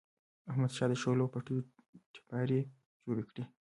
احمد د شولو پټیو تپیاري جوړې کړې.